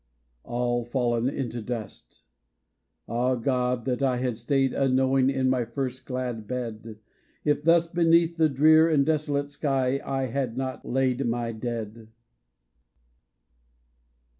All fallen into dust Ah, God ! that I Had stayed unknowing in my first glad bed, If thus beneath the drear and desolate 'sky, I had not laid my dead.